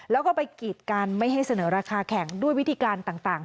แล้วก็ไปกีดกันไม่ให้เสนอราคาแข่งด้วยวิธีการต่าง